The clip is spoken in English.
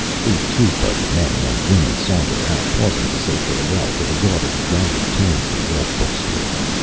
A troop of men and women saunter out, pausing to say farewell to the gaudily ragged tomes in the old book store.